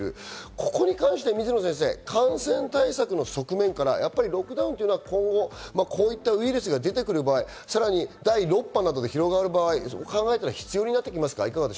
ここに関して水野先生、感染対策の側面からロックダウンというのは今後、こういったウイルスが出てくる場合、さらに第６波などに広がる場合、必要になってきますか？